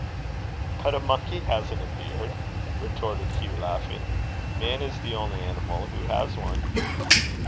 "But a monkey hasn't a beard," retorted Hugh, laughing. "Man is the only animal who has one."